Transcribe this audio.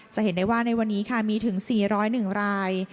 จะเห็นได้ว่าในวันนี้ค่ะมีถึง๔๐๑ราย